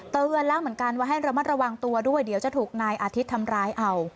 เตือนแล้วเหมือนกันว่าให้ระมัดระวังตัวด้วยเดี๋ยวจะถูกนายอาทิตย์ทำร้ายเอา